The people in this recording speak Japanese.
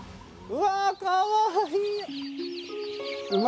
うわかわいい！